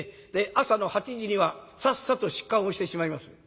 「朝の８時にはさっさと出棺をしてしまいます」。